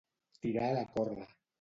Tirar la corda.